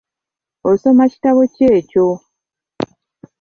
Osoma kitabo ki ekyo?